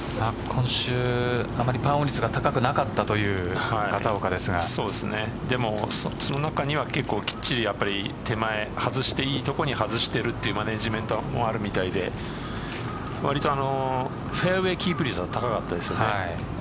今週はあまりパーオン率が高くなかったという片岡ですが今、その中にはきっちり手前外していい所に外しているというマネジメントはあるみたいで割とフェアウエーキープ率は高かったですよね。